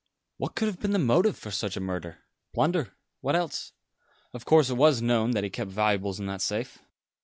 "What could have been the motive for such a murder?" "Plunder. What else? Of course, it was known that he kept valuables in that safe."